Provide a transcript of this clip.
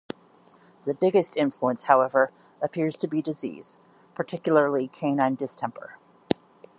The biggest influence, however, appears to be disease, particularly canine distemper.